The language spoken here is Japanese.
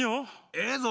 ええぞ！